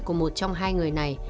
của một trong hai người này